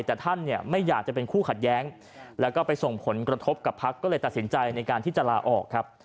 แต่ท่านเนี่ยไม่อยากจะเป็นคู่ขัดแย้งแล้วก็ไปส่งผลกระทบกับพักก็เลยตัดสินใจในการที่จะลาออกครับ